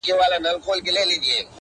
كه د زړه غوټه درته خلاصــه كــړمــــــه.